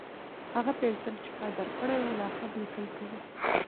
هغه پنسل چې ما درکړی و، لا هم لیکل کوي؟